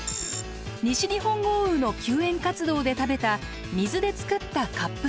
西日本豪雨の救援活動で食べた水で作ったカップそば。